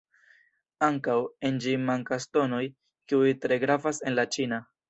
Ankaŭ, en ĝi mankas tonoj, kiuj tre gravas en la ĉina.